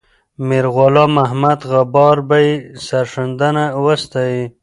میرغلام محمد غبار به یې سرښندنه وستایي.